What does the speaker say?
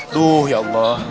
duh ya allah